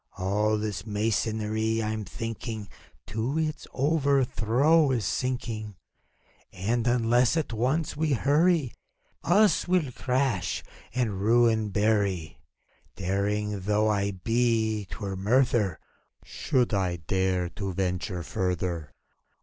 All this masonry, I'm thinking, To its overthrow is sinking; And, unless at once we hurry. Us will crash and ruin bury. ACT II. 71 Daring though I be, 't were murther Should I dare to venture further.